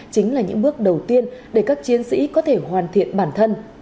chính là những bước đầu tiên để các chiến sĩ có thể hoàn thiện bản thân